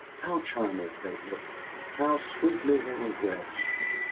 How charming they looked, how sweetly they were dressed!